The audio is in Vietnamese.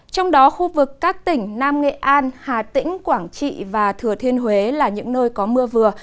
trong đó khu vực các tỉnh nam nghệ an hà tĩnh quảng trị và thừa thiên huế là những nơi có mưa vừa